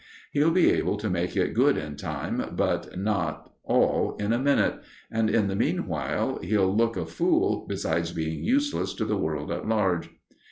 He'll be able to make it good in time, but not all in a minute; and in the meanwhile he'll look a fool, besides being useless to the world at large."